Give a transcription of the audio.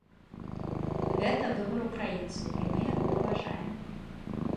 Гэта выбар украінцаў, і мы яго паважаем.